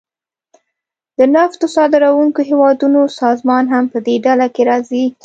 د نفتو صادرونکو هیوادونو سازمان هم پدې ډله کې راځي